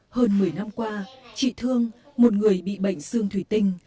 hơn một mươi năm qua chị thương một người bị bệnh xương thủy tinh